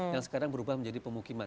yang sekarang berubah menjadi pemukiman